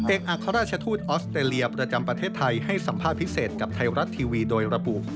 อัครราชทูตออสเตรเลียประจำประเทศไทยให้สัมภาษณ์พิเศษกับไทยรัฐทีวีโดยระบุ